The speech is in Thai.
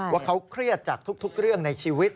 ว่าเขาเครียดจากทุกเรื่องในชีวิต